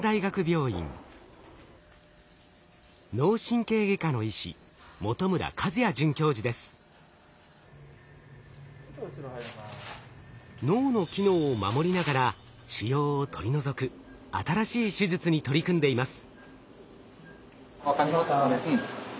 脳神経外科の医師脳の機能を守りながら腫瘍を取り除く新しい手術に取り組んでいます。